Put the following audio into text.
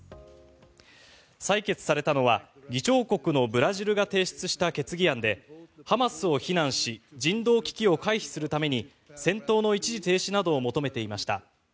採決されたのは議長国のブラジルが提出した決議案でハマスを非難し人道危機を回避するために戦闘の一時停止などを求めていました。